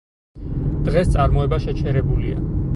დღეს წარმოება შეჩერებულია.